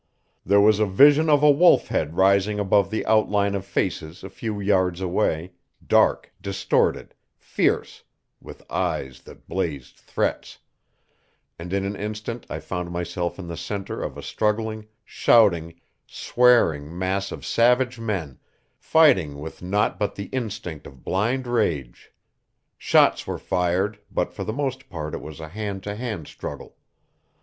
There was a vision of a wolf head rising above the outline of faces a few yards away, dark, distorted, fierce, with eyes that blazed threats, and in an instant I found myself in the center of a struggling, shouting, swearing mass of savage men, fighting with naught but the instinct of blind rage. Shots were fired, but for the most part it was a hand to hand struggle.